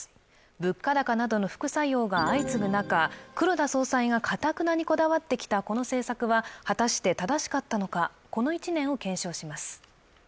物価高などの副作用が相次ぐ中、黒田総裁がかたくなにこだわってきたこの政策は果たして正しかったのか、この１年を検証します。